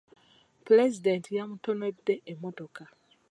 Pulezidenti yamutonedde emmotoka.